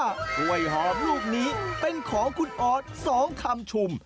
กล้วยหอมลูกนี้เป็นของคุณออส๒คำชุม